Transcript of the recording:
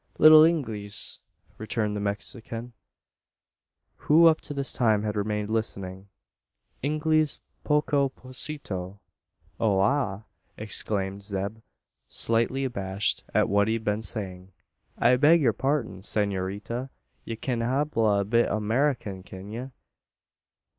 "Little Inglees," returned the Mexican, who up to this time had remained listening. "Inglees poco pocito." "O ah!" exclaimed Zeb, slightly abashed at what he had been saying. "I beg your pardin, saynoritta. Ye kin habla a bit o' Amerikin, kin ye?